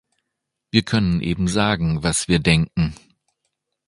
Wir können eben sagen, was wir denken.